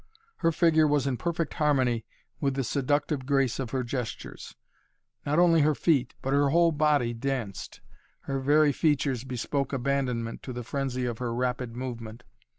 Her figure was in perfect harmony with the seductive grace of her gestures; not only her feet, but her whole body danced, her very features bespoke abandonment to the frenzy of her rapid movement.